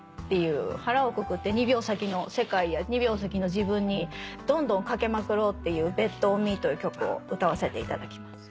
腹をくくって２秒先の世界や２秒先の自分にどんどん賭けまくろうっていう『ＢｅｔＯｎＭｅ』という曲を歌わせていただきます。